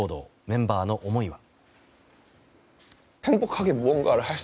メンバーの思いは。